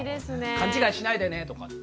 「勘違いしないでね」とかって。